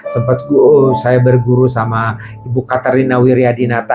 sempat saya berguru sama ibu katerina wiryadinata